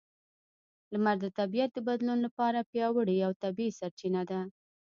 لمر د طبیعت د بدلون لپاره پیاوړې او طبیعي سرچینه ده.